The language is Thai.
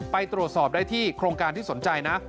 ไปตรวจสอบได้ที่โครงการที่สนใจนะ